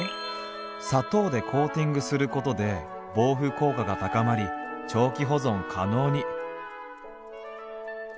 「砂糖でコーティングすることで防腐効果が高まり長期保存可能に」。